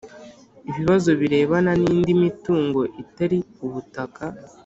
Ibibazo Birebana N Indi Mitungo Itari Ubutaka